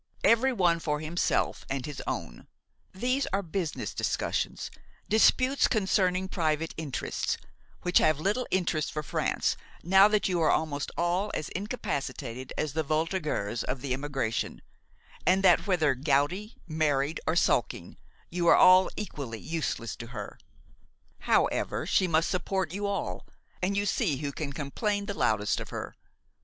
Every one for himself and his own; these are business discussions, disputes concerning private interests, which have little interest for France, now that you are almost all as incapacitated as the voltigeurs of the emigration, and that, whether gouty, married or sulking, you are all equally useless to her. However, she must support you all, and you see who can complain the loudest of her.